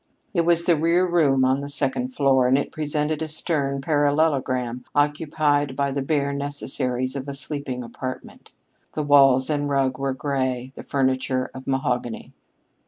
It was the rear room on the second floor, and it presented a stern parallelogram occupied by the bare necessaries of a sleeping apartment. The walls and rug were gray, the furniture of mahogany.